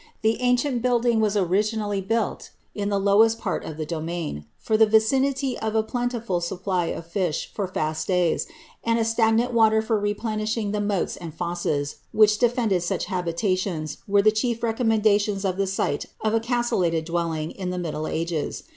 The ancient building was originally built in the lowest part of the domain ; for the vicinity of a plentiful supply of (isli for fa8t <lays, and of stagnant water for replenishing the moats and (ossiis which defended such habitations^ were the chief recommendations of the site of a castellated dwellinf in the middle ages.